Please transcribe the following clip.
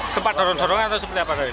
sempat dorong sorongan atau seperti apa gai